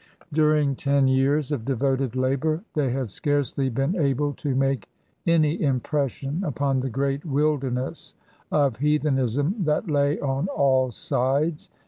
During ten years of devoted labor they had scarcely been able to make any impression upon the great wilderness of heathenism that lay on all sides.